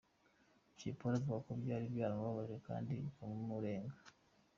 Jay Polly avuga ko byari byaramubabaje kandi bikamurenga.